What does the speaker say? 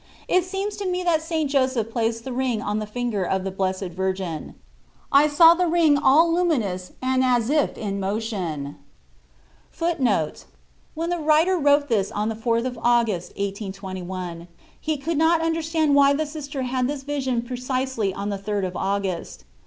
It seemed to me that St. Joseph placed the ring on the finger of the Blessed Virgin. I saw the ring all luminous and as if in motion.* * When the writer wrote this on the 4th of August, 1821, he could not understand why the Sister had this vision precisely on the 3rd of August.